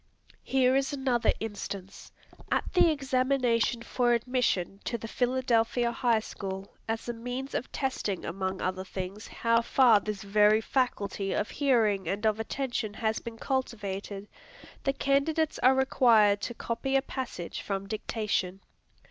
Here is another instance. At the examination for admission to the Philadelphia High School, as a means of testing among other things how far this very faculty of hearing and of attention has been cultivated, the candidates are required to copy a passage from dictation.